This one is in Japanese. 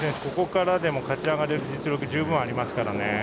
ここからでも勝ち上がれる実力が十分にありますからね。